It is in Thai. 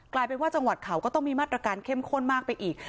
กลายเป็นว่าจังหวัดเขาก็ต้องมีมาตรการเข้มข้นมากไปอีก